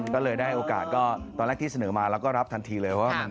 ก็เลยได้โอกาสก็ตอนแรกที่เสนอมาแล้วก็รับทันทีเลยว่า